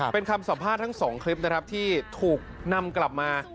เป็นคำสัมภาษณ์ทั้งสองคลิปนะครับที่ถูกนำกลับมา